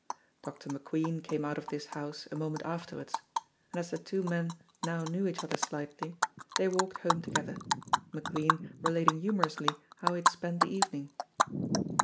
Dr. McQueen came out of this house a moment afterwards, and as the two men now knew each other slightly, they walked home together, McLean relating humorously how he had spent the evening.